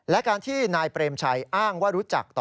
และการที่นายเปรมชัยอ้างว่ารู้จักต่อ